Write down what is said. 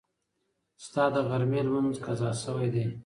ستا د غرمې لمونځ قضا شوی دی.